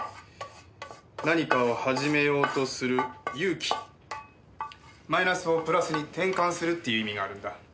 何かを始めようとする勇気マイナスをプラスに転換するっていう意味があるんだ。